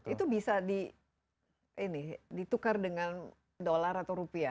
itu bisa di ini ditukar dengan dollar atau rupiah